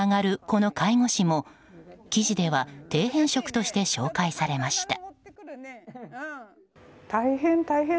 この介護士も記事では底辺職として紹介されました。